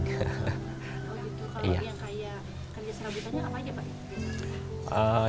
kalau yang kaya kerja serabutannya apa aja